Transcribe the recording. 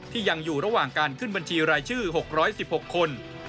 ยังอยู่ระหว่างการขึ้นบัญชีรายชื่อ๖๑๖คน